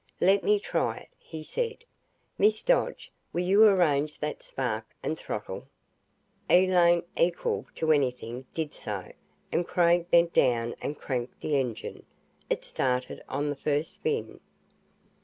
"Let me try it," he said. "Miss Dodge, will you arrange that spark and throttle?" Elaine, equal to anything, did so, and Craig bent down and cranked the engine. It started on the first spin.